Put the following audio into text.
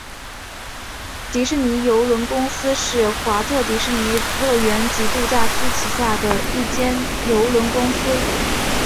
迪士尼邮轮公司是华特迪士尼乐园及度假区旗下的一间邮轮公司。